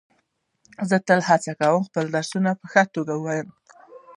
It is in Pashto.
زه تل هڅه کوم چي خپل درسونه په ښه توګه ووایم.